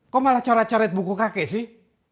kok malah coret coret buku kakek sih